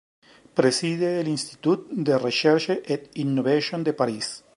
Preside el Institut de Recherche et Innovation de París.